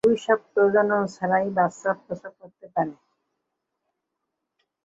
গুইসাপ প্রজনন ছাড়াই বাচ্চা প্রসব করতে পারে।